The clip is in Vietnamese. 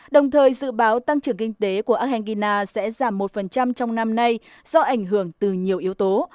đồng thời dự báo tăng trưởng kinh tế của argentina sẽ giảm một trong năm nay do ảnh hưởng từ nhiều yếu tố